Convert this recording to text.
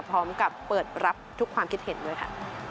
พร้อมกับเปิดรับทุกความคิดเห็นด้วยค่ะ